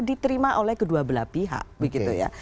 diterima oleh kedua belah pihak